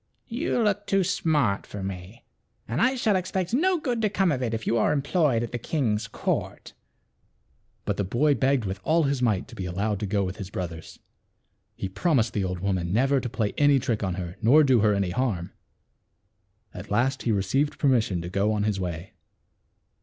You look too smart for me, and I shall expect good to come of it if you are employed at the king's court." But the boy begged with all his might to be allowed to go with his brothers. He promised the old woman never to play any trick on her nor do her any harm. At last he received per mission to go on his way.